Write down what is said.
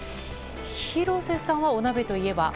廣瀬さんはお鍋といえば？